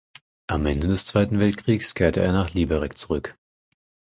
Am Ende des Zweiten Weltkriegs kehrte er nach Liberec zurück.